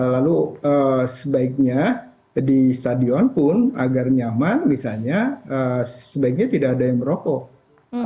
lalu sebaiknya di stadion pun agar nyaman misalnya sebaiknya tidak ada yang merokok